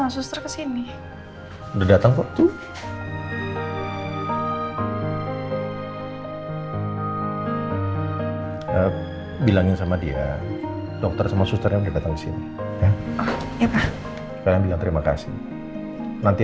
sekarang aku sampai disini